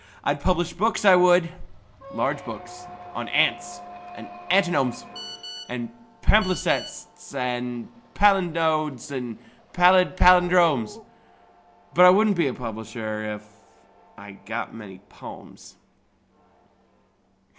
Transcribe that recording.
I'd publish books, I would large books on ants and antinomes And palimpsests and palinodes and pallid pallindromes: But I wouldn't be a publisher if .... I got many "pomes."